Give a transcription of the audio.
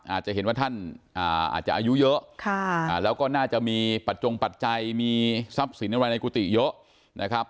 อาจจะเห็นว่าท่านอาจจะอายุเยอะแล้วก็น่าจะมีปัจจงปัจจัยมีทรัพย์สินอะไรในกุฏิเยอะนะครับ